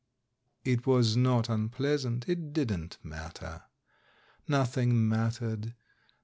... It was not unpleasant — it didn't matter. Noth ing mattered.